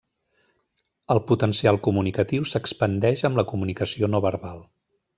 El potencial comunicatiu s'expandeix amb la comunicació no verbal.